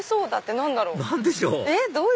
何でしょう？